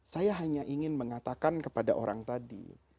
saya hanya ingin mengatakan kepada orang tadi